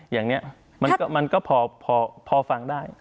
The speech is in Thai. อย่างนี้มันก็พอฟังได้